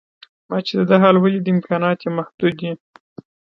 ما چې د ده حال ولید امکانات یې محدود دي.